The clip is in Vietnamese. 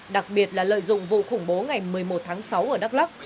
đặc biệt là lợi dụng vụ khủng bố ngày một mươi một tháng sáu ở đắk lắc